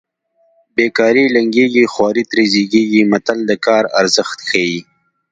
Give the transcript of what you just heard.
بې کاري لنګېږي خواري ترې زېږېږي متل د کار ارزښت ښيي